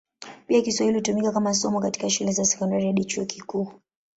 Pia Kiswahili hutumika kama somo katika shule za sekondari hadi chuo kikuu.